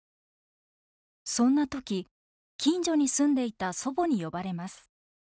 そんな時近所に住んでいた祖母に呼ばれます。